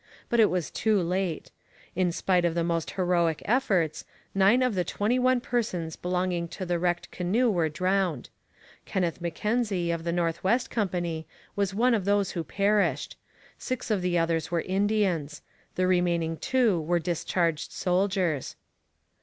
But it was too late. In spite of the most heroic efforts nine of the twenty one persons belonging to the wrecked canoe were drowned. Kenneth M'Kenzie, of the North West Company, was one of those who perished; six of the others were Indians; the remaining two were discharged soldiers.